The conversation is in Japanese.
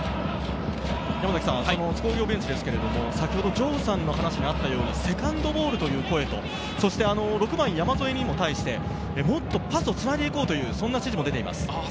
その津工業ベンチですが、先ほど城さんの話にあったようにセカンドボールという声と６番・山副に対してもっとパスをつないでいこうという指示も出ています。